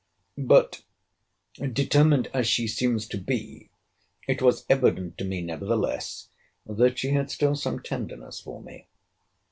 But, determined as she seems to be, it was evident to me, nevertheless, that she had still some tenderness for me.